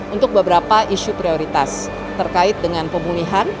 untuk beberapa isu prioritas terkait dengan pemulihan